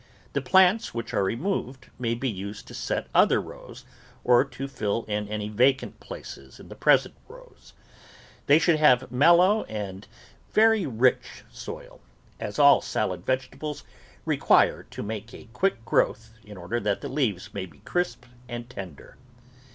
The plants which are removed may be used to set other rows or to fill in any vacant places in the present rows. They should have mellow and very GREENS AND SALAD VEGETABLES rich soil, as all salad vegetables require to make a quick growth in order that the leaves may be crisp and tender.